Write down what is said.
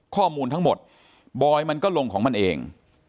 ข้อมูลทั้งหมดบอยมันก็ลงของมันเอง